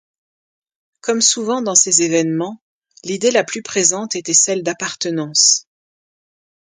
Comme souvent dans ces évènements, l’idée la plus présente était celle d’appartenance.